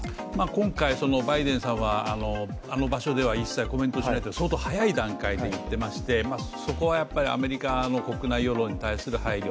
今回バイデンさんはあの場所では一切コメントしないと、相当早い段階で言ってましてそこはアメリカの国内世論に対する配慮。